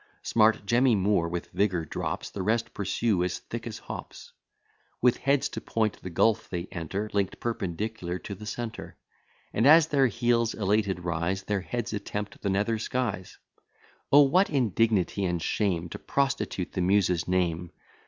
Smart Jemmy Moore with vigour drops; The rest pursue as thick as hops: With heads to point the gulf they enter, Link'd perpendicular to the centre; And as their heels elated rise, Their heads attempt the nether skies. O, what indignity and shame, To prostitute the Muses' name!